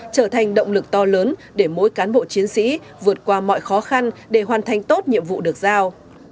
trở thành động lực to lớn để mỗi cán bộ chiến sĩ vượt qua mọi khó khăn để hoàn thành tốt nhiệm vụ được giao